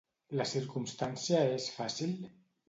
La circumstància és fàcil?